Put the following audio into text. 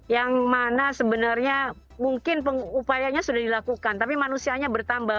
yang mana sebenarnya mungkin upayanya sudah dilakukan tapi manusianya bertambah